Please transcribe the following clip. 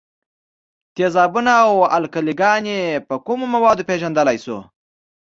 تیزابونه او القلي ګانې په کومو موادو پیژندلای شو؟